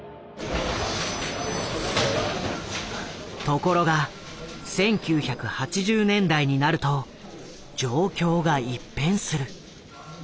☎ところが１９８０年代になると状況が一変する。